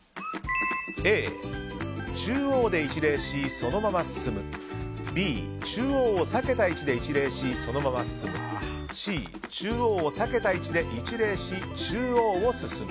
Ａ、中央で一礼し、そのまま進むＢ、中央を避けた位置で一礼しそのまま進むＣ、中央を避けた位置で一礼し中央を進む。